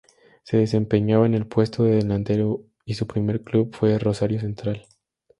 Se desempeñaba en el puesto de delantero y su primer club fue Rosario Central.